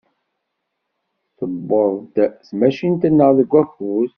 Tuweḍ-d tmacint-nneɣ deg wakud.